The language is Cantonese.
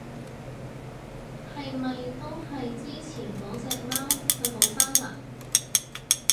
係咪都係之前嗰隻貓？佢好返嘞？